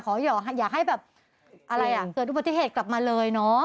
อยากให้แบบอะไรอ่ะเกิดอุบัติเหตุกลับมาเลยเนาะ